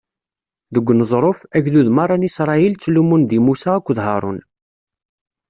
Deg uneẓruf, agdud meṛṛa n Isṛayil ttlummun di Musa akked Haṛun.